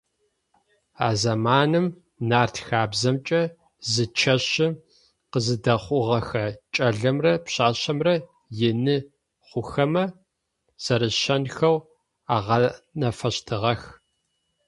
А зэманым нарт хабзэмкӏэ зы чэщым къызэдэхъугъэхэ кӏэлэмрэ пшъэшъэмрэ ины хъухэмэ зэрэщэнхэу агъэнафэщтыгъэх.